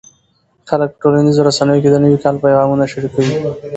خلک په ټولنیزو رسنیو کې د نوي کال پیغامونه شریکوي.